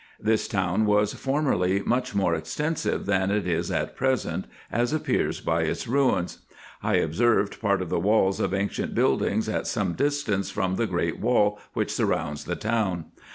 This town was formerly much more extensive than it is at present, as appears by its ruins. I observed part of the walls of ancient buildings at some distance from the great wall which surrounds the town.